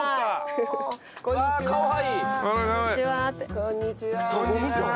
こんにちは。